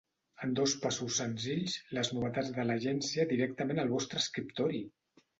En dos passos senzills, les novetats de l'Agència directament al vostre escriptori!